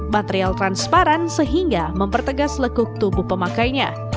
material transparan sehingga mempertegas lekuk tubuh pemakainya